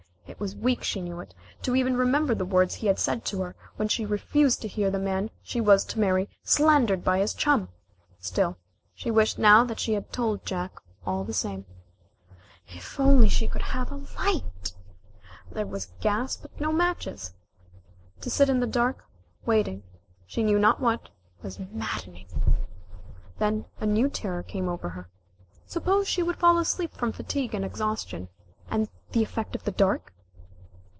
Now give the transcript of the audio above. It was weak, she knew it, to even remember the words he had said to her when she had refused to hear the man she was to marry slandered by his chum still she wished now that she had told Jack, all the same. If she could only have a light! There was gas, but no matches. To sit in the dark, waiting, she knew not what, was maddening. Then a new terror came over her. Suppose she should fall asleep from fatigue and exhaustion, and the effect of the dark?